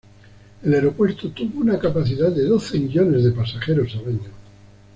El aeropuerto tuvo una capacidad de doce millones de pasajeros al año.